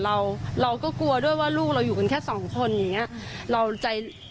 เราเราก็กลัวด้วยว่าลูกเราอยู่กันแค่สองคนอย่างเงี้ยเราใจ